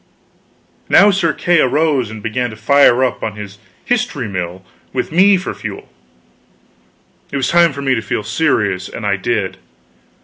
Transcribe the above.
Now Sir Kay arose and began to fire up on his history mill with me for fuel. It was time for me to feel serious, and I did.